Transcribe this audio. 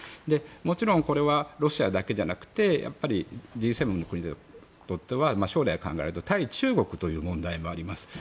もちろんこれはロシアだけじゃなくてＧ７の国にとっては将来を考えると対中国という問題もあります。